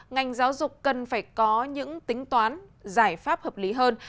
ngành giáo dục cần phải có những tính toán giải pháp hợp lý hơn